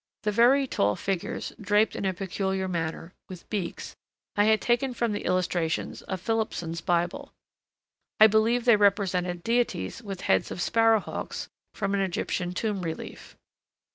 The very tall figures draped in a peculiar manner with beaks, I had taken from the illustrations of Philippson's bible; I believe they represented deities with heads of sparrowhawks from an Egyptian tomb relief.